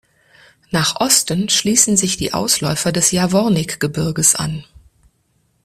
Nach Osten schließen sich die Ausläufer des Javorník-Gebirges an.